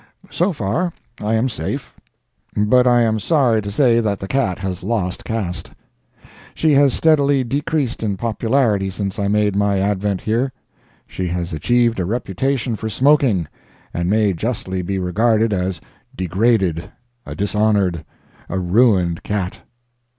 So far, I am safe; but I am sorry to say that the cat has lost caste. She has steadily decreased in popularity since I made my advent here. She has achieved a reputation for smoking, and may justly be regarded as degraded, a dishonored, a ruined cat.